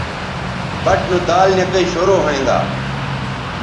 بَٹ نو دال نِکئ شروع ھوینگا